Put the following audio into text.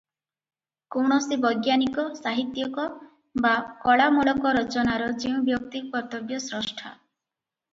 କୌଣସି ବୈଜ୍ଞାନିକ, ସାହିତ୍ୟିକ ବା କଳାମୂଳକ ରଚନାର ଯେଉଁ ବ୍ୟକ୍ତି କର୍ତ୍ତବ୍ୟ ସ୍ରଷ୍ଠା ।